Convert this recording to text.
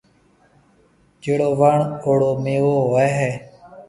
جھيَََڙو وڻ هيَ اُوڙو ميوو هوئي هيَ۔